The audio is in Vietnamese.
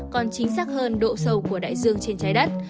còn chính xác hơn độ sâu của đại dương trên trái đất